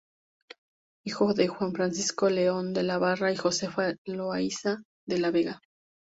Hijo de Juan Francisco León de la Barra y Josefa Loayza de la Vega.